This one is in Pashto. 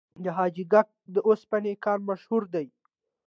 د حاجي ګک د وسپنې کان مشهور دی